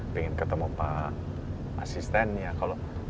pengen ketemu pak asisten ya kalau